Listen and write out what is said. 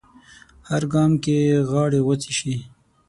هر ګام کې غاړې غوڅې شي